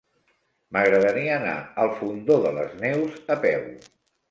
M'agradaria anar al Fondó de les Neus a peu.